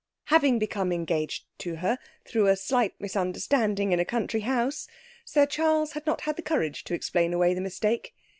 Having become engaged to her through a slight misunderstanding in a country house, Sir Charles had not had the courage to explain away the mistake.